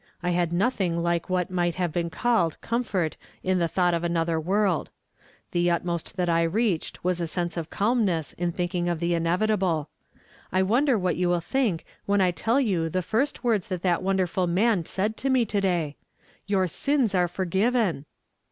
] had nothing like what might have been called comfort in the thought of another world. 'J^hc utmost that I reached was a sense of calmness in thinking of the inevitable. I wonder what you will think ^^■hen I tell you the first words that that wonderful man said to me to day? ' Your sins are forgiven."